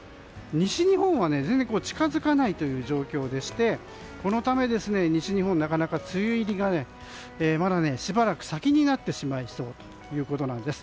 西日本は全然近づかない状況でしてこのため、西日本はなかなか梅雨入りがまだしばらく先になってしまいそうということです。